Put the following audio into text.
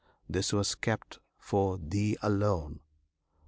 This was kept for thee alone!